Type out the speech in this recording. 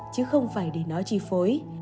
chứ không phải để nó chi phối